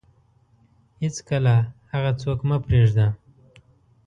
هیڅکله هغه څوک مه پرېږده